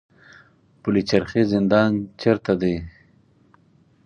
پل چرخي زندان چیرته دی؟